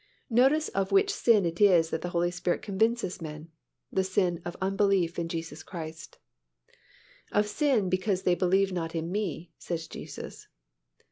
Notice of which sin it is that the Holy Spirit convinces men—the sin of unbelief in Jesus Christ, "Of sin because they believe not on Me," says Jesus.